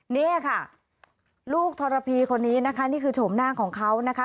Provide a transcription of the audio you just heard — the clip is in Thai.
นี่ค่ะลูกธรพีคนนี้นะคะนี่คือโฉมหน้าของเขานะคะ